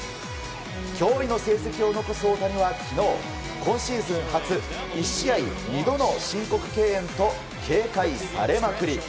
驚異の成績を残す大谷は昨日今シーズン初１試合２度の申告敬遠と警戒されまくり。